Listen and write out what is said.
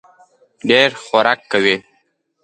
ډېر خورک کوي.